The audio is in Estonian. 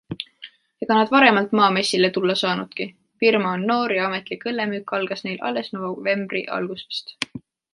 Ega nad varemalt maamessile tulla saanudki, firma on noor ja ametlik õllemüük algas neil alles novembri algusest.